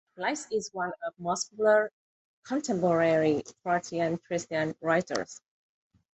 Lice is one of the most popular contemporary Croatian Christian writers.